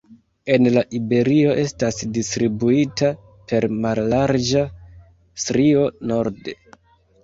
En la Iberio estas distribuita per mallarĝa strio norde.